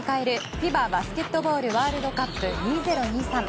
ＦＩＢＡバスケットボールワールドカップ２０２３。